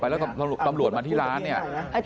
แล้วตำรวจมาที่ร้านเนี่ย